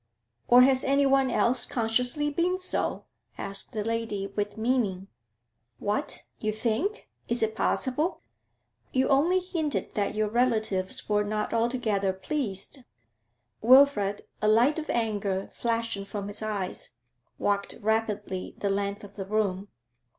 'Or has anyone else consciously been so?' asked the lady, with meaning. 'What? You think ? Is it possible?' 'You only hinted that your relatives were not altogether pleased.' Wilfrid, a light of anger flashing from his eyes, walked rapidly the length of the room.